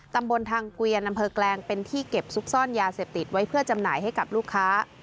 ตำบลทางเกวียนอำเภอแกลงเป็นที่เก็บซุกซ่อนยาเสพติดไว้เพื่อจำหน่ายให้กับลูกค้า